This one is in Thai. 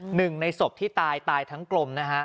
หนึ่งในศพที่ตายตายทั้งกลมนะฮะ